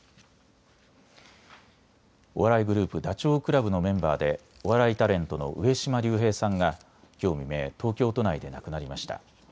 お笑いグループ、ダチョウ倶楽部のメンバーでお笑いタレントの上島竜兵さんがきょう未明、東京都内で亡くなりました。